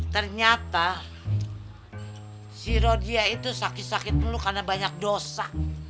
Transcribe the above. ternyata si rodia sakit sakit karena banyak dosa